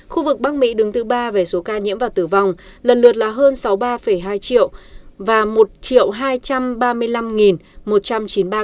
khu vực bắc mỹ đứng thứ ba về số ca nhiễm và tử vong lần lượt là hơn sáu mươi ba hai triệu và một hai trăm ba mươi năm một trăm chín mươi ba ca